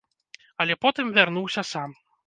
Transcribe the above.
Але потым вярнуўся сам.